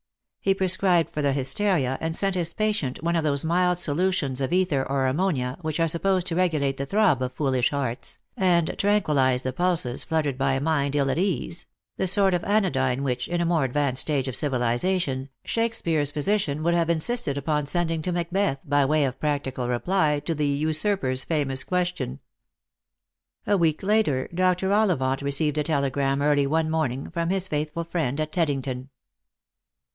He prescribed for the hysteria, and sent his patient one of those mild solutions of ether or ammonia which are supposed to regulate the throb of foolish hearts, and tranquillise the pulses fluttered by a mind ill at ease ; the sort of anodyne which, in a more advanced stage of civilisation, Shakespeare's physician would have insisted upon sending to Macbeth by way of practical reply to the usurper's famous question. A week later Dr. Ollivant received a telegram early one morning from his faithful friend at Teddington.